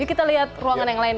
kita lihat ruangan yang lain